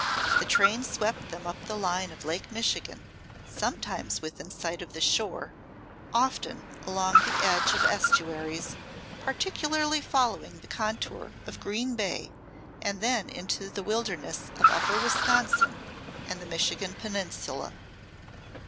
The train swept them up the line of Lake Michigan, sometimes within sight of the shore, often along the edge of estuaries, particularly following the contour of Green By, and then into the Wilderness of upper Wisconsin and the Michigan Peninsula.